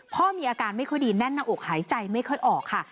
พ่อมีอาการไม่ค่อยดีแน่นหน้าอกหายใจไม่ค่อยออกค่ะ